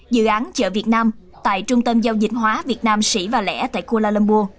dự án chợ việt nam tại trung tâm giao dịch hóa việt nam sĩ và lẻ tại kuala lumbourg